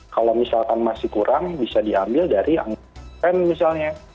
kalau misalkan masih kurang bisa diambil dari anggaran misalnya